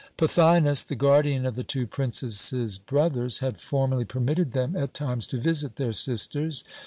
"Pothinus, the guardian of the two princesses' brothers, had formerly permitted them at times to visit their sisters.